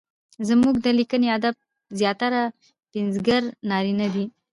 زموږ د ليکني ادب زياتره پنځګر نارينه دي؛